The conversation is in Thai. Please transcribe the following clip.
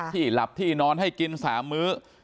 ที่หลับที่นอนให้กิน๓มื้อ